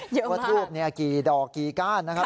เยอะมากว่าทูปนี้กี่ดอกกี่ก้านนะครับ